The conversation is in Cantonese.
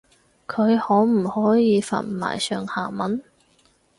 佢可唔可以發埋上下文